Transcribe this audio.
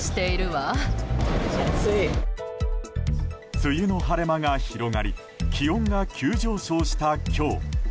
梅雨の晴れ間が広がり気温が急上昇した今日。